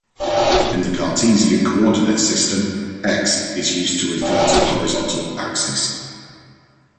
In the Cartesian coordinate system, "x" is used to refer to the horizontal axis.